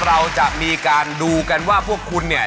เราจะมีการดูกันว่าพวกคุณเนี่ย